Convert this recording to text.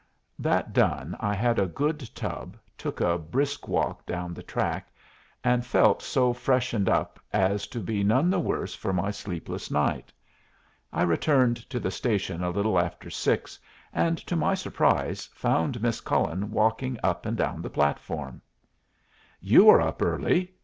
That done I had a good tub, took a brisk walk down the track, and felt so freshened up as to be none the worse for my sleepless night. I returned to the station a little after six, and, to my surprise, found Miss Cullen walking up and down the platform. "You are up early!"